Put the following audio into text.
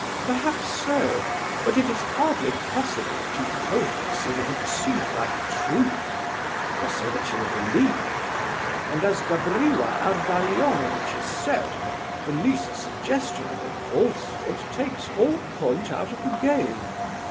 "Perhaps so; but it is hardly possible that you told it so that it seemed like truth, or so that you were believed. And, as Gavrila Ardalionovitch has said, the least suggestion of a falsehood takes all point out of the game.